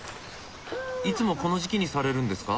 いつもこの時期にされるんですか？